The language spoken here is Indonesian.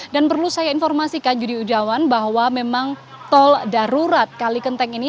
dan perlu saya informasikan yudi yudawan bahwa memang tol darurat kalikenteng ini